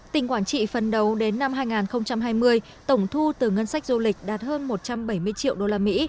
tỉnh quảng trị phân đấu đến năm hai nghìn hai mươi tổng thu từ ngân sách du lịch đạt hơn một trăm bảy mươi triệu usd